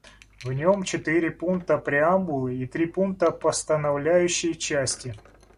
В нем четыре пункта преамбулы и три пункта постановляющей части.